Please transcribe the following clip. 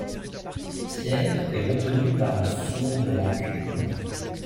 Pierre est retenu par une sourde rancune.